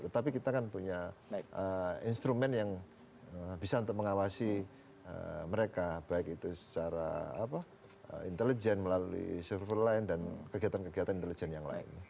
tapi kita kan punya instrumen yang bisa untuk mengawasi mereka baik itu secara intelijen melalui server lain dan kegiatan kegiatan intelijen yang lain